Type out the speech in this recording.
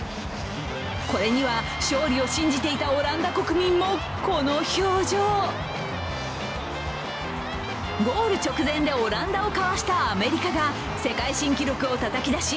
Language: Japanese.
これには、勝利を信じていたオランダ国民もこの表情ゴール直前でオランダをかわしたアメリカが世界新記録をたたき出し